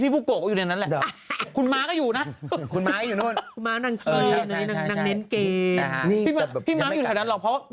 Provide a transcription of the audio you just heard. บุ๊บโกะแม่บุ๊บโกะ